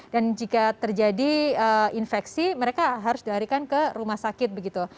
dan jika terjadi infeksi mereka harus diharikan ke rumah sakit